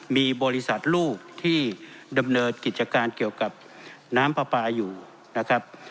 มีบริษัทลูกที่ดำเนินกิจการเกี่ยวกับน้ำปลาปลาอยู่นะครับ